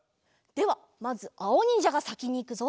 ではまずあおにんじゃがさきにいくぞ。